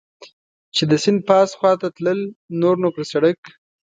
چې د سیند پاس خوا ته تلل، نور نو پر سړک.